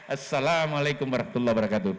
assalamu alaikum warahmatullahi wabarakatuh